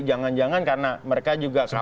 jangan jangan karena mereka juga